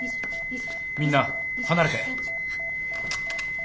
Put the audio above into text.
みんな離れて。